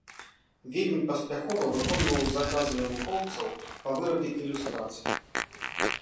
Вельмі паспяхова выконваў заказы навукоўцаў па вырабе ілюстрацый.